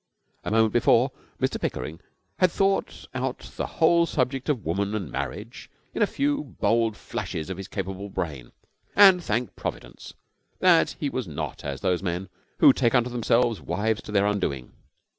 A moment before Mr Pickering had thought out the whole subject of woman and marriage in a few bold flashes of his capable brain, and thanked Providence that he was not as those men who take unto themselves wives to their undoing.